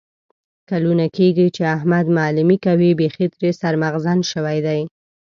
کلونه کېږي چې احمد معلیمي کوي. بیخي ترې سر مغزن شوی دی.